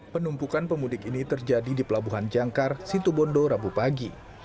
penumpukan pemudik ini terjadi di pelabuhan jangkar situbondo rabu pagi